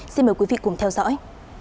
xin mời quý vị cùng theo dõi